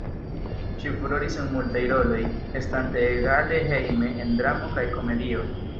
Ŝi furoris en multaj roloj, estante egale hejme en dramo kaj komedio.